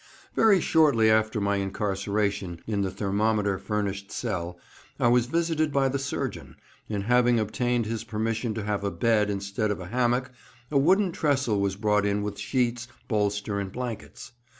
Very shortly after my incarceration in the thermometer furnished cell I was visited by the surgeon, and having obtained his permission to have a bed instead of a hammock, a wooden tressel was brought in with sheets, bolster, and blankets.